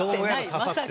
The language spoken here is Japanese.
まさかの。